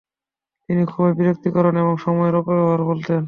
তিনি খুবই বিরক্তিকর এবং সময়ের অপব্যবহার বলতেন।